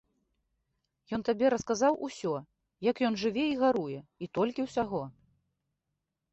Ён табе расказаў усё, як ён жыве і гаруе, і толькі ўсяго.